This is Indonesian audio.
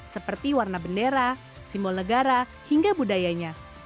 seperti warna bendera simbol negara hingga budayanya